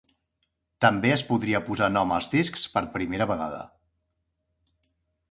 També es podria posar nom als discs per primera vegada.